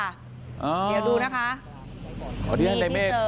เดี๋ยวดูนะคะ